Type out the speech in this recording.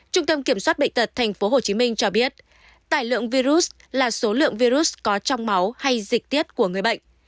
trung tâm kiểm soát bệnh tật tp hcm cho biết tài lượng virus là số lượng virus có trong máu hay dịch tiết của người bệnh